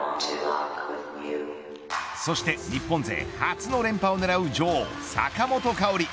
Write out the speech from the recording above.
そして日本勢初の連覇を狙う女王坂本花織。